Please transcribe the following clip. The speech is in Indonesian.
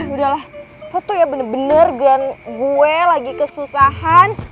udah lah lo tuh ya bener bener dengan gue lagi kesusahan